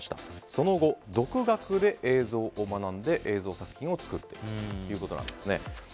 その後、独学で映像を学んで映像作品を作ったということです。